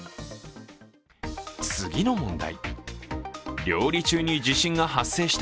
次の問題。